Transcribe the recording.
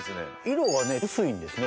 色が薄いんですね